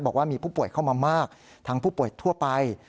บอกว่ามีผู้ป่วยเข้ามามากทั้งผู้ป่วยทั่วไป